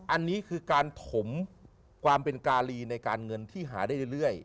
อันนี้คือการถมความเป็นการีในการเงินที่หาได้เรื่อย